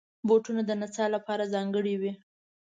بوټونه د نڅا لپاره ځانګړي وي.